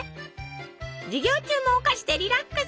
授業中もお菓子でリラックス！